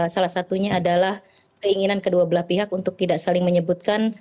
salah satunya adalah keinginan kedua belah pihak untuk tidak saling menyebutkan